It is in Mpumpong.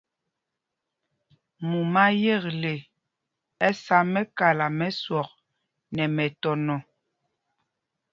Mumá yekle ɛ sá mɛ́kala mɛ swɔk nɛ mɛtɔnɔ.